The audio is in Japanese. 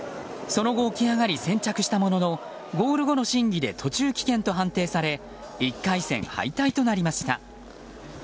その後、起き上がり先着したもののゴール後の審議で途中棄権と判定され１回戦敗退となりました。